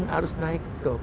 harus naik dong